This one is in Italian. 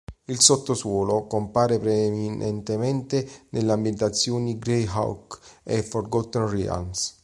Il "Sottosuolo" compare preminentemente nelle ambientazioni "Greyhawk" e "Forgotten Realms".